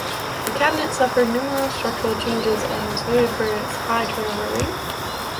The cabinet suffered numerous structural changes and was noted for its high turnover rate.